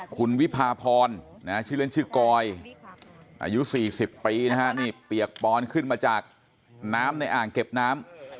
คุณวิพาพรชื่อเล่นชื่อกอยอายุ๔๐ปีนะฮะนี่เปียกปอนขึ้นมาจากน้ำในอ่างเก็บน้ำ